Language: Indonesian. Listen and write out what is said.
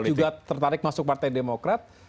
juga tertarik masuk partai demokrat